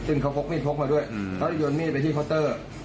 ซึ่งเขาพกมีดพกมาด้วยเขาจะโยนมีดไปที่เคาน์เตอร์